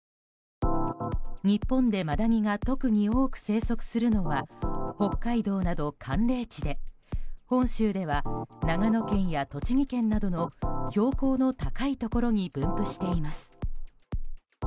日本でマダニが特に多く生息するのは北海道など寒冷地で本州では、長野県や栃木県などの標高の高いところに分布しています。